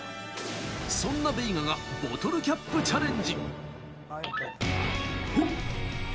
そんなベイガがボトルキャップチャレンジ。